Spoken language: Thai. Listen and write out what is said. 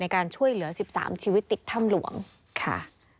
ในการช่วยเหลือ๑๓ชีวิตติดถ้ำหลวงค่ะ